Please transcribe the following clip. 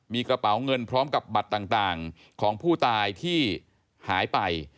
มีกระเป๋าเงินพร้อมกับบัตรต่างของผู้ตายที่หายไป